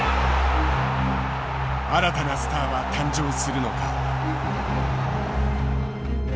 新たなスターは誕生するのか。